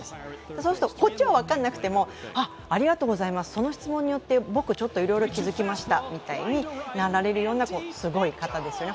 そうすると、こっちも分からなくても「ありがとうございます」、その質問によっていろいろ気付きましたみたいになられるようなすごい方ですよね。